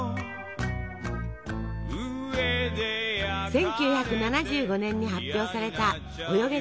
１９７５年に発表された「およげ！